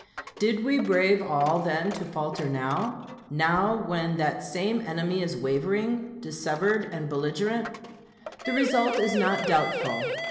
Did we brave all then to falter now? now, when that same enemy is wavering, dissevered, and belligerent? The result is not doubtful.